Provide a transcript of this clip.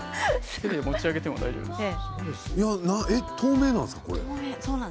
手で持ち上げてもいいですよ。